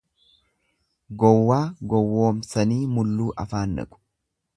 Gowwaa gowwomsanii mulluu afaan naqu.